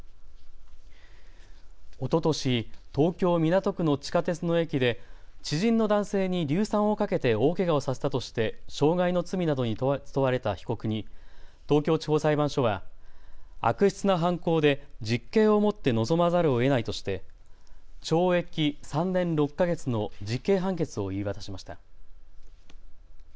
おととし東京港区の地下鉄の駅で知人の男性に硫酸をかけて大けがをさせたとして傷害の罪などに問われた被告に東京地方裁判所は悪質な犯行で実刑をもって臨まざるをえないとして懲役３年６か月の実刑判決を言い渡しました。